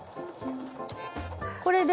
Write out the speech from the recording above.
これで。